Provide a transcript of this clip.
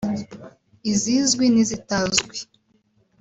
izizwi n’izitazwi